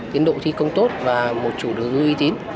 tiến độ thi công tốt và một chủ đối uy tín